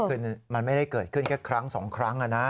คือมันไม่ได้เกิดขึ้นแค่ครั้งสองครั้งนะ